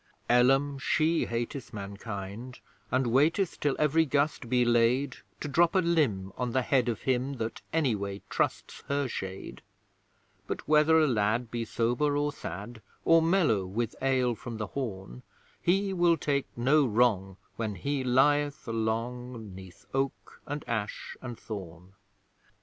Ellum she hateth mankind, and waiteth Till every gust be laid, To drop a limb on the head of him That anyway trusts her shade: But whether a lad be sober or sad, Or mellow with ale from the horn, He will take no wrong when he lieth along 'Neath Oak, and Ash, and Thorn!